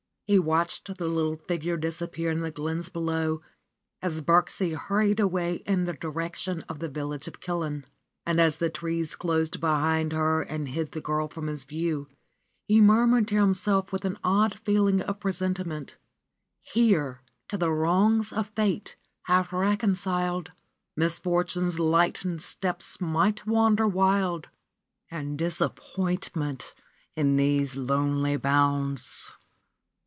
He watched the little figure disappear in the glens below as Birksie hurried away in the direction of the village of Killin. And as the trees closed behind her and hid the girl from his view he murmured to himself with an odd feeling of presentiment: RENUNCIATION OF FRA SIMONETTA 101 ''Here to the wrongs of fate half reconciled. Misfortune's lightened steps might wander wild ; And Disappointment, in these lonely bounds.